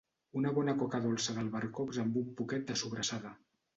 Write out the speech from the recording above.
Una bona coca dolça d'albercocs amb un poquet de sobrassada